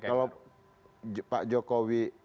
kalau pak jokowi